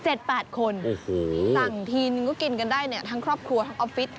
สั่งทีนึงก็กินกันได้เนี่ยทั้งครอบครัวทั้งออฟฟิศ